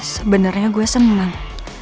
sebenarnya gue senang